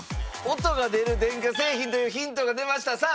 音が出る電化製品というヒントが出ました。